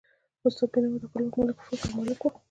استاد بینوا د خپلواک فکر مالک و.